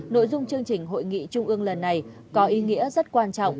nội dung chương trình hội nghị trung ương lần này có ý nghĩa rất quan trọng